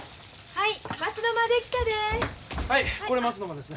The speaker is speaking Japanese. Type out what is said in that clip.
はい。